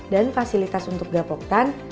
dan fasilitas untuk gapoktan